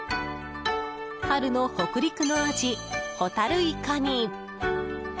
春の北陸の味、ホタルイカに。